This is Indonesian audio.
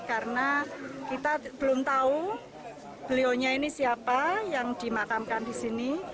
karena kita belum tahu beliau ini siapa yang dimakamkan di sini